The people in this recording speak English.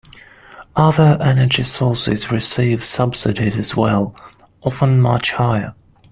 Other energy sources receive subsidies as well, often much higher.